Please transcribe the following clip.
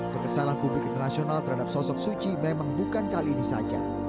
pekesalahan publik internasional terhadap sosok suu kyi memang bukan kali ini saja